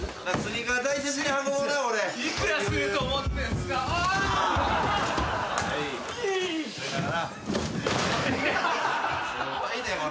すごいでこれ。